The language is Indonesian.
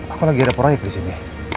aku lagi ada proyek disini